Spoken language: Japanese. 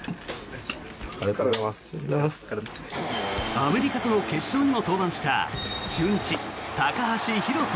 アメリカとの決勝にも登板した中日、高橋宏斗。